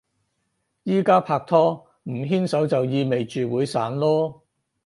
而家拍拖，唔牽手就意味住會散囉